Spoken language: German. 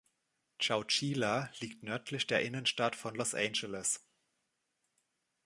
Chowchila liegt nördlich der Innenstadt von Los Angeles.